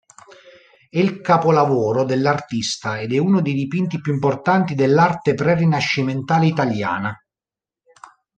È il capolavoro dell'artista ed uno dei dipinti più importanti dell'arte pre-rinascimentale italiana.